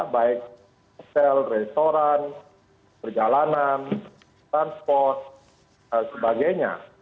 baik hotel restoran perjalanan transport dan sebagainya